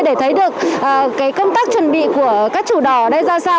để thấy được cái công tác chuẩn bị của các chủ đò ở đây ra sao